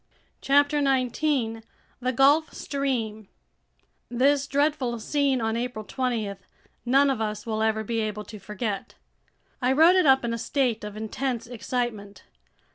CHAPTER 19 The Gulf Stream THIS DREADFUL SCENE on April 20 none of us will ever be able to forget. I wrote it up in a state of intense excitement.